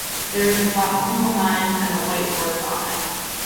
There is a platform behind, and a white horse on it.